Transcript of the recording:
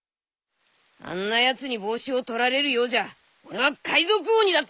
あんなやつに帽子を取られるようじゃ俺は海賊王にだってなれねえ。